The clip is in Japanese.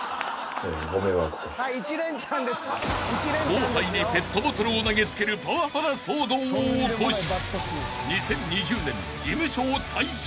［後輩にペットボトルを投げつけるパワハラ騒動を起こし］